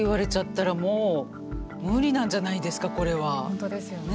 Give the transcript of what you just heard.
本当ですよね。